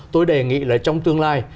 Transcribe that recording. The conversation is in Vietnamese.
tôi đề nghị là trong tương lai